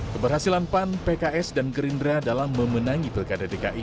keberhasilan pan pks dan gerindra dalam memenangi pilkada dki